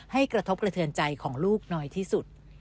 กระทบกระเทือนใจของลูกน้อยที่สุด